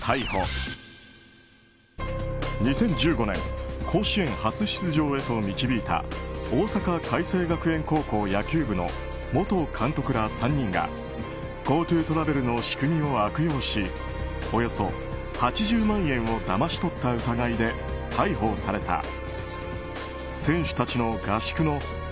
２０１５年甲子園初出場へと導いた大阪偕星学園高校野球部の元監督ら３人がＧｏＴｏトラベルの仕組みを悪用しおよそ８０万円をだまし取った疑いで逮捕された。